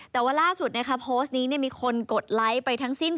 แต่ว่าล่าสุดนะคะโพสต์นี้มีคนกดไลค์ไปทั้งสิ้น